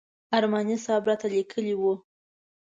ارماني صاحب راته لیکلي و.